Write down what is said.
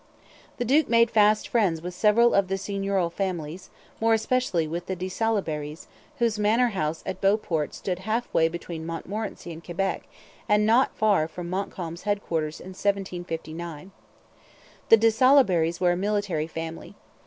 The duke made fast friends with several of the seigneurial families, more especially with the de Salaberrys, whose manor house at Beauport stood half way between Montmorency and Quebec and not far from Montcalm's headquarters in 1759. The de Salaberrys were a military family.